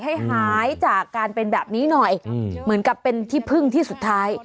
ให้หายจากการเป็นแบบนี้หน่อยเหมือนกับเป็นที่พึ่งที่สุดท้าย